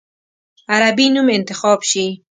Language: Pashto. عربي نوم انتخاب شي.